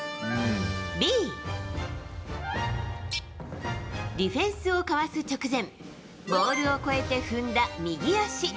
Ｂ、ディフェンスをかわす直前ボールを越えて踏んだ右足。